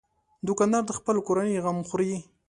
دوکاندار د خپلې کورنۍ غم خوري.